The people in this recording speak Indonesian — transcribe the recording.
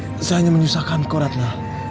saya akan hanya menyusahkanku ratna